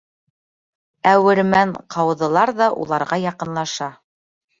Әүермән ҡауҙылар ҙа уларға яҡынлаша.